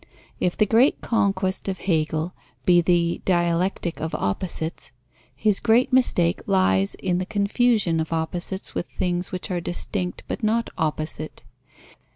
If the great conquest of Hegel be the dialectic of opposites, his great mistake lies in the confusion of opposites with things which are distinct but not opposite.